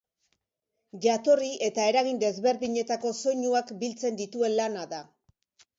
Jatorri eta eragin desberdinetako soinuak biltzen dituen lana da.